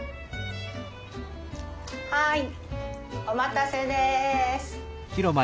はいお待たせです！